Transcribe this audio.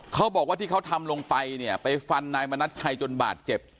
เขาบอกว่าที่เขาทำลงไปเนี่ยไปฟันนายมณัชชัยจนบาดเจ็บ